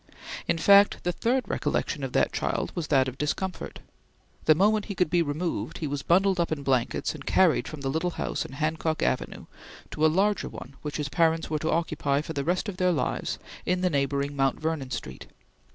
In fact, the third recollection of the child was that of discomfort. The moment he could be removed, he was bundled up in blankets and carried from the little house in Hancock Avenue to a larger one which his parents were to occupy for the rest of their lives in the neighboring Mount Vernon Street.